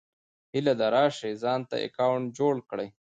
هيله ده راشٸ ځانته اکونټ جوړ کړى